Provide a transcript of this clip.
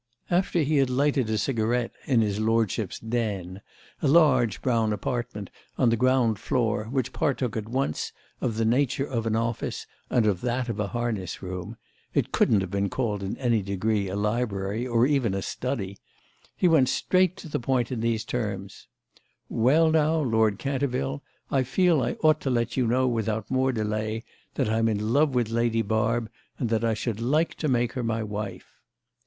After he had lighted a cigarette in his lordship's "den," a large brown apartment on the ground floor, which partook at once of the nature of an office and of that of a harness room—it couldn't have been called in any degree a library or even a study—he went straight to the point in these terms: "Well now, Lord Canterville, I feel I ought to let you know without more delay that I'm in love with Lady Barb and that I should like to make her my wife."